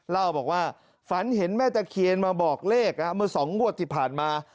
เล่าบอกว่าฝันเห็นแม่ตะเคียนมาบอกเลขเมื่อ๒งวดที่ผ่านมา